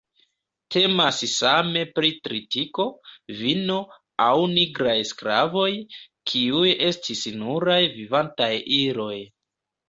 Temas same pri tritiko, vino, aŭ nigraj sklavoj, kiuj estis nuraj "vivantaj iloj".